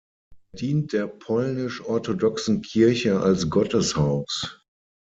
Er dient der Polnisch-Orthodoxen Kirche als Gotteshaus.